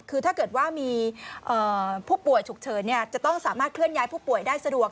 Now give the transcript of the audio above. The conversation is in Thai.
คือถ้าเกิดว่ามีผู้ป่วยฉุกเฉินจะต้องสามารถเคลื่อนย้ายผู้ป่วยได้สะดวก